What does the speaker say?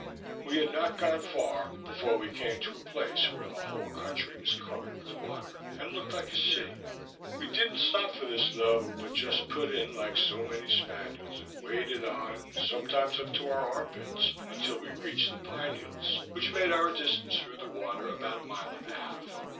We had not gone far before we came to a place where the whole country was covered with water, and looked like a sea. We didn't stop for this, tho', but just put in like so many spaniels, and waded on, sometimes up to our armpits, until we reached the pine hills, which made our distance through the water about a mile and a half.